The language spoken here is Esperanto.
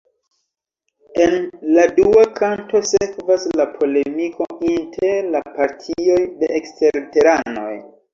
En la dua kanto sekvas la polemiko inter la partioj de eksterteranoj.